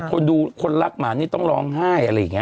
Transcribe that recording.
คนดูคนรักหมานี่ต้องร้องไห้อะไรอย่างนี้